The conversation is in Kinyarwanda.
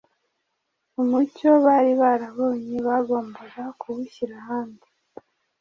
umucyo bari barabonye bagombaga kuwushyira abandi.